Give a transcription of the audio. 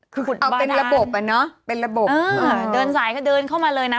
คือคุณเอาเป็นระบบอ่ะเนอะเป็นระบบเดินสายค่ะเดินเข้ามาเลยนะ